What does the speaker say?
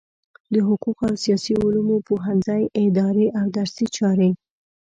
د حقوقو او سیاسي علومو پوهنځی اداري او درسي چارې